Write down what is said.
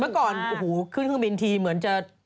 เมื่อก่อนโอ้โหขึ้นเครื่องบินทีเหมือนจะ